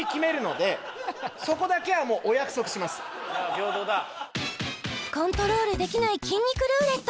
平等だコントロールできない筋肉ルーレット